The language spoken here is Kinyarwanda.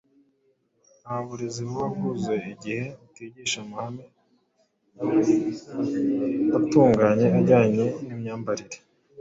Nta burezi buba bwuzuye igihe butigisha amahame atunganye ajyanye n’imyambarire.